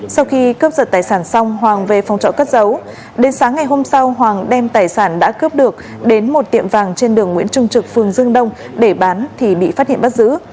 sau khi cướp giật tài sản xong hoàng về phòng trọ cất giấu đến sáng ngày hôm sau hoàng đem tài sản đã cướp được đến một tiệm vàng trên đường nguyễn trung trực phường dương đông để bán thì bị phát hiện bắt giữ